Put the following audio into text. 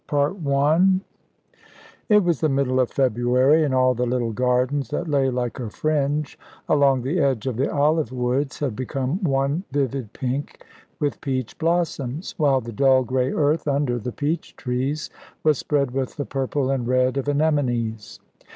CHAPTER II It was the middle of February, and all the little gardens that lay like a fringe along the edge of the olive woods had become one vivid pink with peach blossoms, while the dull grey earth under the peach trees was spread with the purple and red of anemones.